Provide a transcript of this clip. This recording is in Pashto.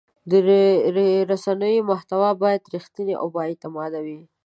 د رسنیو محتوا باید رښتینې او بااعتماده وي.